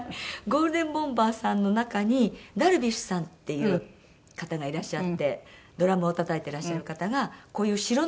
ゴールデンボンバーさんの中に樽美酒さんっていう方がいらっしゃってドラムをたたいてらっしゃる方がこういう白塗り。